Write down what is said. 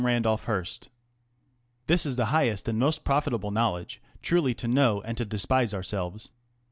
RANDOLPH HEARST. This is the highest and most profitable knowledge, truly to know and to despise ourselve~s.